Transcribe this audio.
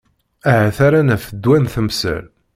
Ahat ara naf ddwa n temsal.